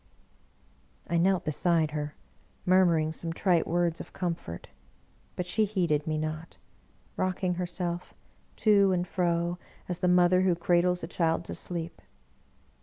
I knelt beside her, murmuring some trite words of com fort; but she heeded me not, rocking herself to and fro as the mother who cradles a child to sleep.